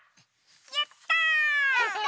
やった！